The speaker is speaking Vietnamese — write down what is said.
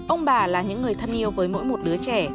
ông bà là những người thân yêu với mỗi một đứa trẻ